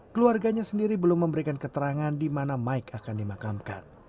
keluarganya sendiri belum memberikan keterangan di mana mike akan dimakamkan